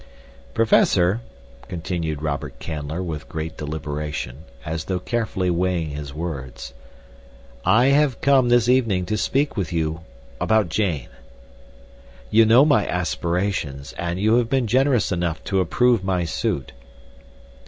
"Professor," continued Robert Canler, with great deliberation, as though carefully weighing his words, "I have come this evening to speak with you about Jane. "You know my aspirations, and you have been generous enough to approve my suit."